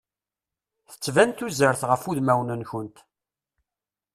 Tettban tuzert ɣef udmawen-nkent.